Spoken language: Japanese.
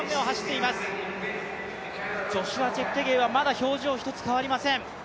ジョシュア・チェプテゲイはまだ表情一つ変わりません。